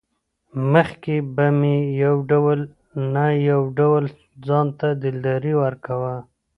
مخکې به مې يو ډول نه يو ډول ځانته دلداري ورکوه.